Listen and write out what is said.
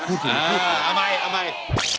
เออเอาใหม่เอาใหม่